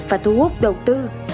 và thu hút đồng chí